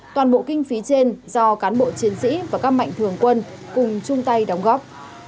toàn bộ kinh phí trên do cán bộ chiến sĩ và các mạnh thường quân cùng chung tay đóng góp